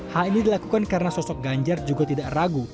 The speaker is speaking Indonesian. hal ini dilakukan karena sosok ganjar juga tidak ragu